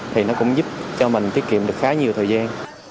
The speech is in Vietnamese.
thì nó cũng giúp cho mình tiết kiệm được khá nhiều thời gian